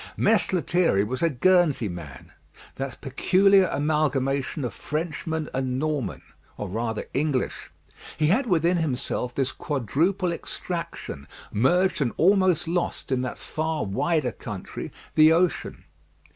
Mess Lethierry was a Guernsey man that peculiar amalgamation of Frenchman and Norman, or rather English. He had within himself this quadruple extraction, merged and almost lost in that far wider country, the ocean.